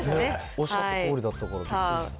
おっしゃったとおりだったから、びっくりした。